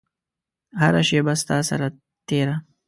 هره شیبه ستا سره تیره